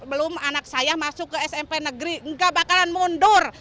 belum anak saya masuk ke smp negeri nggak bakalan mundur